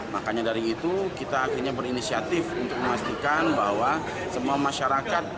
makanya dari itu kita akhirnya berinisiatif untuk memastikan bahwa semua masyarakat